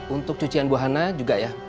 untuk cucian buahan juga ya